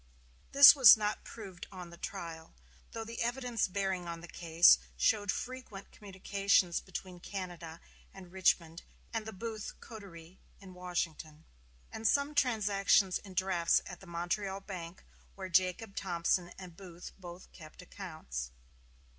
This was not proved on the trial; though the evidence bearing on the case showed frequent communications between Canada and Richmond and the Booth coterie in Washington, and some transactions in drafts at the Montreal Bank, where Jacob Thompson and Booth both kept accounts.